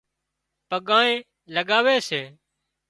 پڳانئي لڳاوي سي